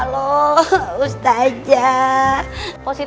positifnya dalam kejah